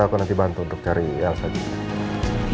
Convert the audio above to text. aku nanti bantu untuk cari elsa di sini